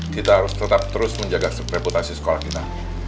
kita harus tetap terus menjaga reputasi sekolah kita